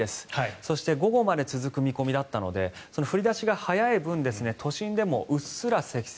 そして午後まで続く見込みだったので降り出しが早い分都心でもうっすら積雪。